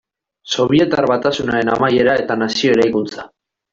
Sobietar Batasunaren amaiera eta nazio eraikuntza.